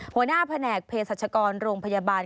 หัวหน้าแผนกเพศรัชกรโรงพยาบาล